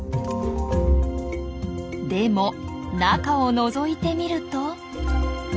でも中をのぞいてみると。